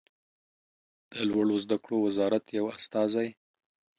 د لوړو زده کړو وزارت یو استازی